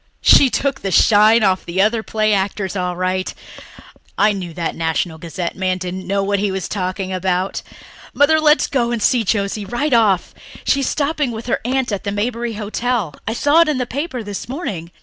She took the shine off the other play actors all right. I knew that National Gazette man didn't know what he was talking about. Mother, let us go and see Josie right off. She's stopping with her aunt at the Maberly Hotel I saw it in the paper this morning.